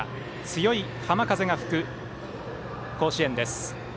強い浜風が吹く甲子園です。